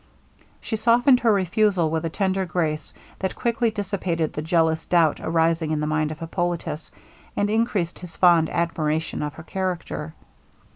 She softened her refusal with a tender grace, that quickly dissipated the jealous doubt arising in the mind of Hippolitus, and increased his fond admiration of her character.